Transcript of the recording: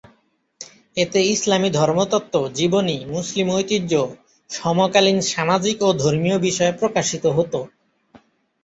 এতে ইসলামি ধর্মতত্ত্ব, জীবনী, মুসলিম ঐতিহ্য, সমকালীন সামাজিক ও ধর্মীয় বিষয় প্রকাশিত হত।